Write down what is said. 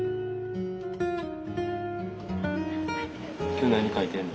今日何描いてんの？